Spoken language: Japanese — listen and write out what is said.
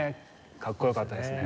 かっこよかったですね。